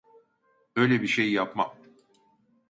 Öyle bir şey yapmam.